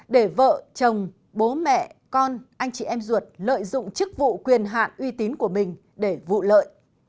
để vợ chồng bố mẹ con anh chị em ruột lợi dụng chức vụ quyền hạn uy tín của mình để vụ lợi